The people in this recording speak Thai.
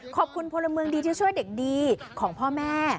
ขอบคุณพลเมืองดีที่ช่วยเด็กดีของพ่อแม่